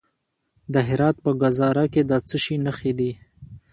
د هرات په ګذره کې د څه شي نښې دي؟